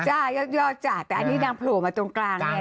ใช่ยอดจ้ะแต่อันนี้นางผลวมาตรงกลางนี่นะคะ